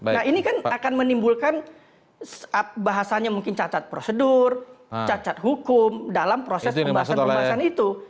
nah ini kan akan menimbulkan bahasanya mungkin cacat prosedur cacat hukum dalam proses pembahasan pembahasan itu